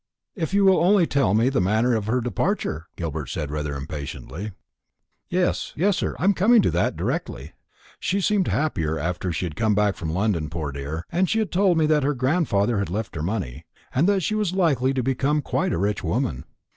"If you will only tell me the manner of her departure," Gilbert said rather impatiently. "Yes, yes, sir; I am coming to that directly. She seemed happier after she came back from London, poor dear; and she told me that her grandfather had left her money, and that she was likely to become quite a rich woman.